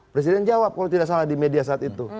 presiden jawab kalau tidak salah di media saat itu